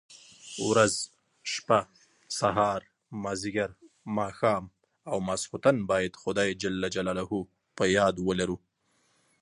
ورځ، شپه، سهار، ماځيګر، ماښام او ماخستن بايد خداى جل جلاله په ياد ولرو.